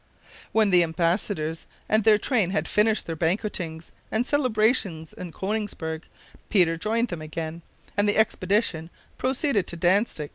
When the embassadors and their train had finished their banquetings and celebrations in Konigsberg, Peter joined them again, and the expedition proceeded to Dantzic.